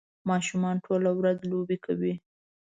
ماشومان ټوله ورځ لوبې کوي